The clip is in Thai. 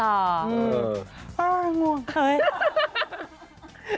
อืมอืมอ่าวววง่วง